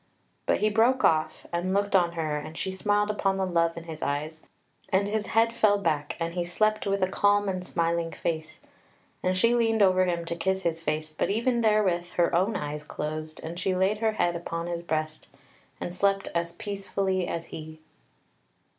But he broke off and looked on her and she smiled upon the love in his eyes, and his head fell back and he slept with a calm and smiling face. And she leaned over him to kiss his face but even therewith her own eyes closed and she laid her head upon his breast, and slept as peacefully as he.